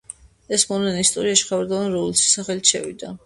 ეს მოვლენა ისტორიაში ხავერდოვანი რევოლუციის სახელით შევიდა.